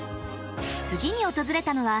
次に訪れたのは。